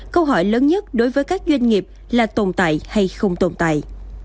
câu hỏi lớn nhất đối với các doanh nghiệp là tồn tại hay không tồn tại